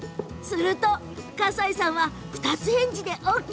すると、笠井さんは二つ返事でＯＫ。